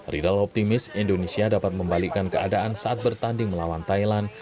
riedel optimis indonesia dapat membalikkan keadaan saat bertanding melawan thailand